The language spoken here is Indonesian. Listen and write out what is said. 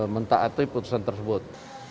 mentaati putusan tersebut